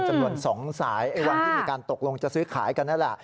จำนวน๒สายวันที่มีการตกลงจะซื้อขายกันนั่นแหละ